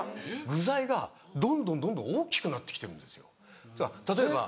具材がどんどんどんどん大きくなってきてるんですよ。